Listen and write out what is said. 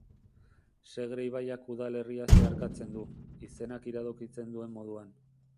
Segre ibaiak udalerria zeharkatzen du, izenak iradokitzen duen moduan.